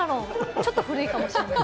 ちょっと古いかもしれない。